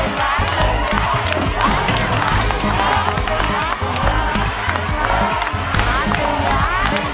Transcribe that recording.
ลุนล้าน